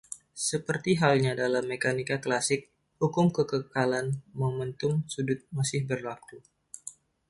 Seperti halnya dalam mekanika klasik, hukum kekekalan momentum sudut masih berlaku.